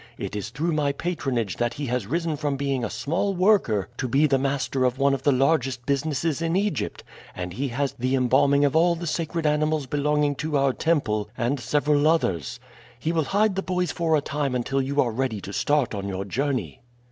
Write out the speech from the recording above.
It is through my patronage that he has risen from being a small worker to be the master of one of the largest businesses in Egypt, and he has the embalming of all the sacred animals belonging to our temple and several others. He will hide the boys for a time until you are ready to start on your journey.